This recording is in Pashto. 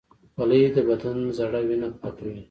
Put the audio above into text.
پلی د بدن زوړ وینه پاکوي